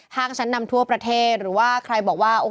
ชั้นนำทั่วประเทศหรือว่าใครบอกว่า